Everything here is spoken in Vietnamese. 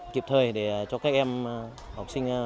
kịp thời để cho các em học sinh